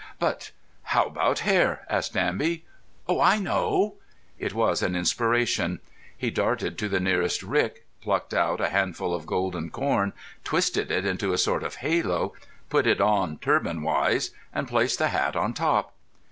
"But how about hair?" asked Danby. "Oh, I know." It was an inspiration. He darted to the nearest rick, plucked out a handful of golden corn, twisted it into a sort of halo, put it on turbanwise, and placed the hat on top.